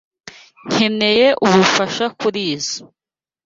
Nkeneye ubufasha kurizoi.